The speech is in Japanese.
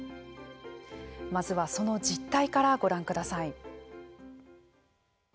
まずは、その実態からご覧ください。